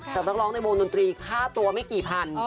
นักร้องในวงดนตรีค่าตัวไม่กี่พัน